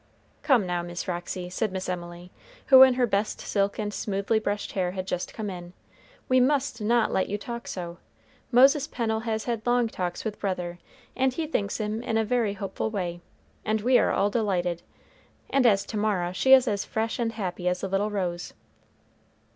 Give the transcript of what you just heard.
"Come, now, Miss Roxy," said Miss Emily, who in her best silk and smoothly brushed hair had just come in, "we must not let you talk so. Moses Pennel has had long talks with brother, and he thinks him in a very hopeful way, and we are all delighted; and as to Mara, she is as fresh and happy as a little rose."